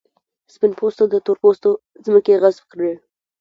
سپین پوستو د تور پوستو ځمکې غصب کړې.